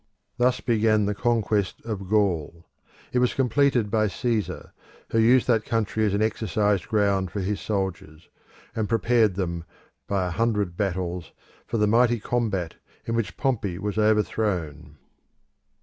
Thus began the conquest of Gaul. It was completed by Caesar, who used that country as an exercise ground for his soldiers, and prepared them, by a hundred battles, for the mighty combat in which Pompey was overthrown.